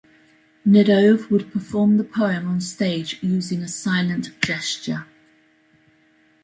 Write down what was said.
Gnedov would perform the poem on stage using a silent gesture.